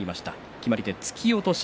決まり手、突き落とし。